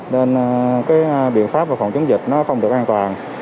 nên cái biện pháp về phòng chống dịch nó không được an toàn